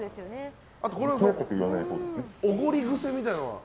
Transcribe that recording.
あと、おごり癖みたいなのは？